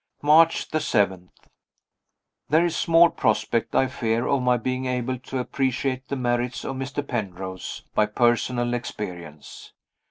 March 7. There is small prospect, I fear, of my being able to appreciate the merits of Mr. Penrose by personal experience.